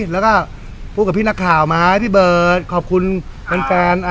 แล้วก็พูดกับพี่หน้าข่าวไหมพี่เบิร์ดขอบคุณแฟนแฟนอ่ะ